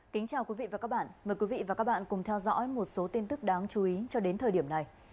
kính chào quý vị và các bạn mời quý vị và các bạn cùng theo dõi một số tin tức đáng chú ý cho đến thời điểm này